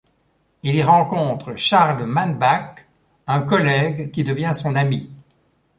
Il y rencontre Charles Manneback, un collègue qui devient son ami.